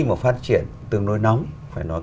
mà phát triển từng nỗi nóng phải nói